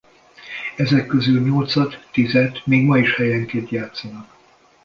Ezek közül nyolcat-tízet még ma is helyenként játszanak.